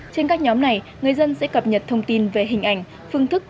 trên các nhóm này người dân sẽ cập nhật thông tin về hình ảnh phương thức